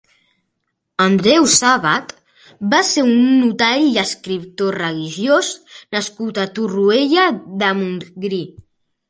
Andreu Sàbat va ser un notari i escriptor religiós nascut a Torroella de Montgrí.